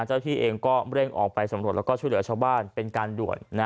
ที่เองก็เร่งออกไปสำรวจแล้วก็ช่วยเหลือชาวบ้านเป็นการด่วน